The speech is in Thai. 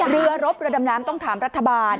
เรือรบเรือดำน้ำต้องถามรัฐบาล